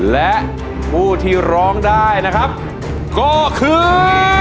และผู้ที่ร้องได้นะครับก็คือ